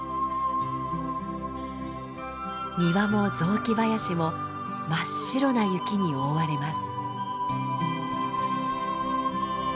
庭も雑木林も真っ白な雪に覆われます。